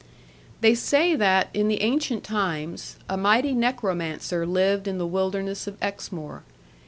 They say that, in the ancient times, a mighty necromancer lived in the wilderness of Exmoor.